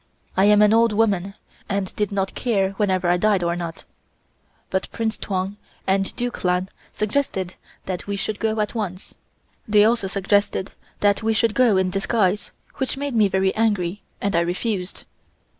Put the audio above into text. I am an old woman, and did not care whether I died or not, but Prince Tuang and Duke Lan suggested that we should go at once. They also suggested that we should go in disguise, which made me very angry, and I refused.